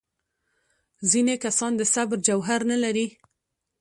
ځینې کسان د صبر جوهر نه لري.